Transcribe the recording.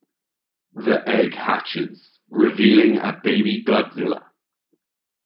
The egg hatches, revealing a baby Godzilla.